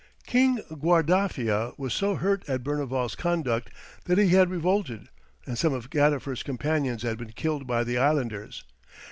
King Guardafia was so hurt at Berneval's conduct that he had revolted, and some of Gadifer's companions had been killed by the islanders.